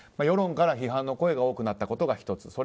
世論から批判の声が多くなったことが１つ。